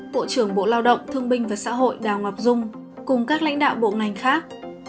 bộ trưởng bộ lao động thương binh và xã hội đào ngọc dung cùng các lãnh đạo bộ ngành khác